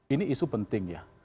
ini isu penting ya